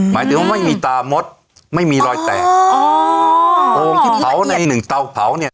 หมายถึงว่าไม่มีตามดไม่มีรอยแตกอ๋อโพงที่เผาในหนึ่งเตาเผาเนี่ย